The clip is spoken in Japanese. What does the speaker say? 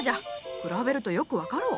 比べるとよく分かろう。